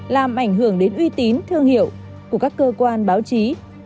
làm ảnh hưởng đến uy tín thương hiệu của các cơ quan báo chí